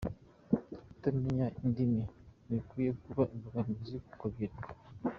Kutamenya indimi ntibikwiye kuba imbogamizi ku rubyiruko